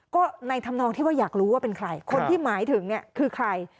ก็ในธรรมนองที่ว่าอยากรู้ว่าเป็นใครคนที่หมายถึงเนี่ยคือใคร